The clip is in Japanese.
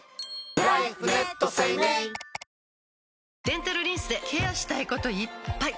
デンタルリンスでケアしたいこといっぱい！